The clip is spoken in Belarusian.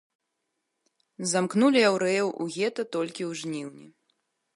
Замкнулі яўрэяў у гета толькі ў жніўні.